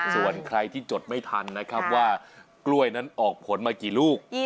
ส่วนใครที่จดไม่ทันนะครับว่ากล้วยนั้นออกผลมากี่ลูก